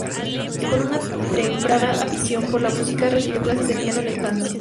Con una temprana afición por la música, recibió clases de piano en la infancia.